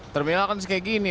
terminal kan seperti ini